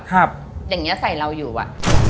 อย่างนี้ใส่เราอยู่อ่ะ